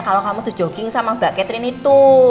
kalau kamu tuh jogging sama mbak catherine itu